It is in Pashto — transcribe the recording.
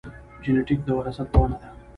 جینېټیک د وراثت پوهنه ده